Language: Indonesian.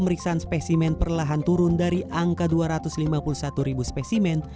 pemeriksaan spesimen perlahan turun dari angka dua ratus lima puluh satu ribu spesimen menjadi satu ratus lima puluh tiga ribu spesimen